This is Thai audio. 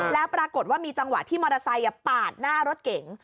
แล้วปรากฏว่ามีจังหวะที่มอเตอร์ไซค์ปาดหน้ารถเก๋ง